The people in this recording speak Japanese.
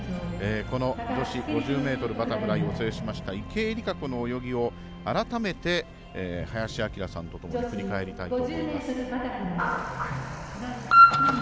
この女子５０ｍバタフライを制しました池江璃花子の泳ぎを改めて林享さんと振り返りたいと思います。